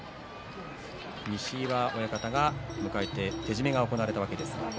西岩親方が迎えて手締めが行われました。